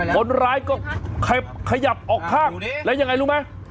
คนร้ายก็ขยับออกข้างแล้วยังไงรู้ไหม